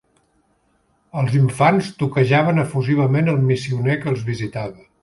Els infants toquejaven efusivament el missioner que els visitava.